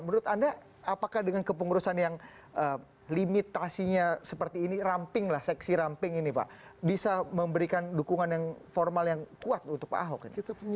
menurut anda apakah dengan kepengurusan yang limitasinya seperti ini ramping lah seksi ramping ini pak bisa memberikan dukungan yang formal yang kuat untuk pak ahok